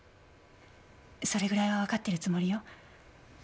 それぐらいはわかってるつもりよ。